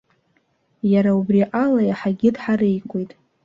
Иара убри ала иаҳагьы дҳареикуеит.